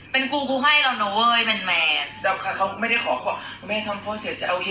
เป็นกูให้เหลือนะเว้ยเป็นแหมด